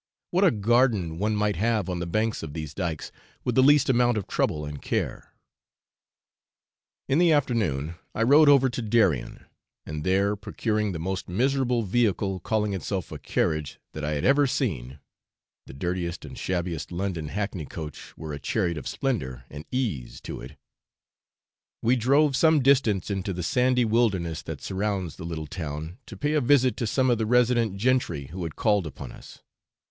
what a garden one might have on the banks of these dykes, with the least amount of trouble and care! In the afternoon I rowed over to Darien, and there procuring the most miserable vehicle calling itself a carriage that I had ever seen (the dirtiest and shabbiest London hackney coach were a chariot of splendour and ease to it), we drove some distance into the sandy wilderness that surrounds the little town, to pay a visit to some of the resident gentry who had called upon us.